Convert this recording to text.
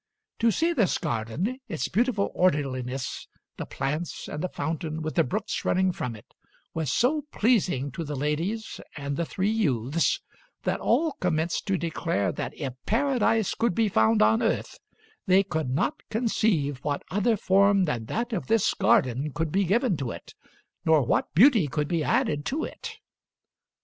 To see this garden, its beautiful orderliness, the plants and the fountain with the brooks running from it, was so pleasing to the ladies and the three youths that all commenced to declare that if Paradise could be found on earth, they could not conceive what other form than that of this garden could be given to it, nor what beauty could be added to it.